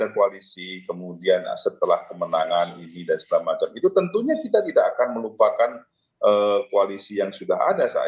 koalisi kemudian setelah kemenangan ini dan segala macam itu tentunya kita tidak akan melupakan koalisi yang sudah ada saat